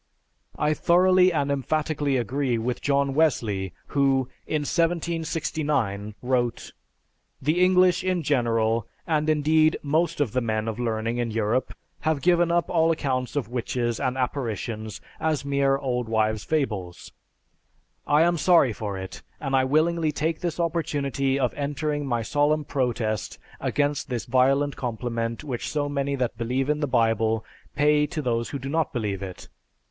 I thoroughly and emphatically agree with John Wesley who, in 1769, wrote, "The English in general, and indeed most of the men of learning in Europe, have given up all accounts of witches and apparitions as mere old wives' fables. I am sorry for it, and I willingly take this opportunity of entering my solemn protest against this violent compliment which so many that believe in the Bible pay to those who do not believe it.